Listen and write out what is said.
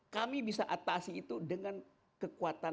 kami bisa atasi itu dengan kekuatan